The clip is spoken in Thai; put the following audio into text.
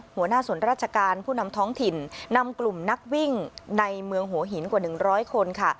หัวหน้าส่วนราชการผู้นำท้องถิ่นนำกลุ่มนักวิ่งในเมืองหัวหินกว่า๑๐๐คนค่ะ